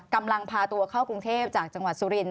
กำลังพาตัวเข้ากรุงเทพจากจังหวัดสุรินท